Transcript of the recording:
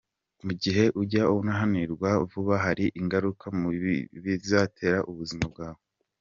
Mu gihe unjya unanirwa vuba hari ingaruka mbi bizatera ubuzima bwawe….